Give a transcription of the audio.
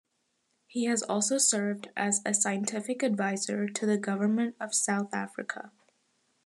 He has also served as a scientific adviser to the government of South Africa.